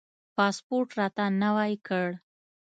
پاسپورټ راته نوی کړ.